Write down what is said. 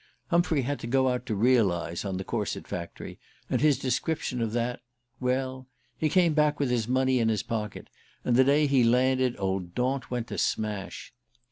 Humphrey had to go out to "realize" on the corset factory; and his description of that ... Well, he came back with his money in his pocket, and the day he landed old Daunt went to smash.